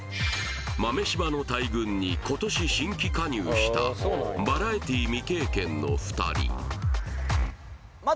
豆柴の大群に今年新規加入したバラエティー未経験の２人イエーイ！